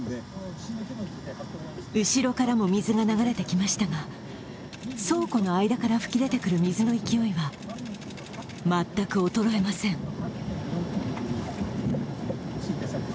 後ろからも水が流れてきましたが倉庫の間から噴き出てくる水の勢いは全く衰えません。